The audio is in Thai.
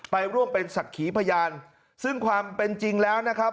ไปร่วมเป็นศักดิ์ขีพยานซึ่งความเป็นจริงแล้วนะครับ